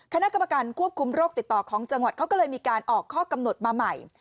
คณะกรรมการควบคุมโรคติดต่อของจังหวัดเขาก็เลยมีการออกข้อกำหนดมาใหม่